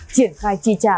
triển khai chi trả